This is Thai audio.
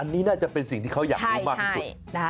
อันนี้น่าจะเป็นสิ่งที่เขาอยากรู้มากที่สุด